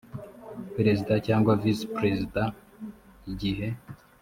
perezida cyangwa visi perezida igihe